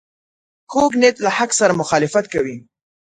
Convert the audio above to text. کوږ نیت له حق سره مخالفت کوي